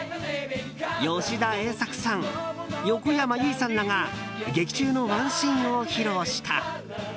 吉田栄作さん、横山由依さんらが劇中のワンシーンを披露した。